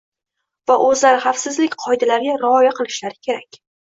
va o‘zlari xavfsizlik qoidalariga rioya qilishlari kerak.